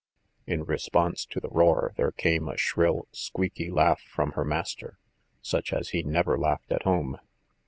In response to the roar, there came a shrill, squeaky laugh from her master, such as he never laughed at home.